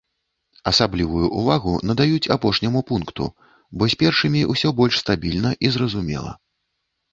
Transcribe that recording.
Асаблівую ўвагу надаюць апошняму пункту, бо з першымі ўсё больш стабільна і зразумела.